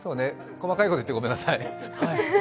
細かいこと言ってごめんなさい。